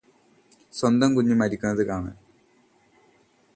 സ്വന്തം കുഞ്ഞ് മരിക്കുന്നത് കാണാന്